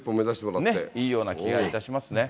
いいような気がいたしますね。